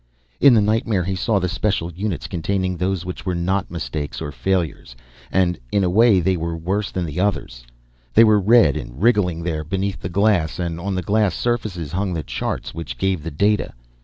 In the nightmare he saw the special units containing those which were not mistakes or failures, and in a way they were worse than the others. They were red and wriggling there beneath the glass, and on the glass surfaces hung the charts which gave the data.